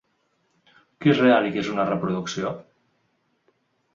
Qui és real i qui és una reproducció?